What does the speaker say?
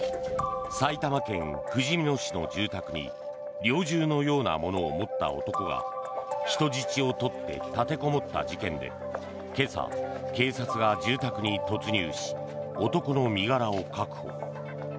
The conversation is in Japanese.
埼玉県ふじみ野市の住宅に猟銃のようなものを持った男が人質を取って立てこもった事件で今朝、警察が住宅に突入し男の身柄を確保。